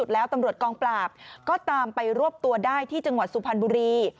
แล้วตำรวจกองปราบก็ตามไปรวบตัวได้ที่จังหวัดสุพรรณบุรี